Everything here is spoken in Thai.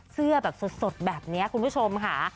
เสื้อแบบสดแบบนี้คุณผู้ชมค่ะ